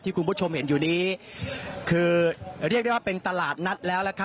คุณผู้ชมเห็นอยู่นี้คือเรียกได้ว่าเป็นตลาดนัดแล้ว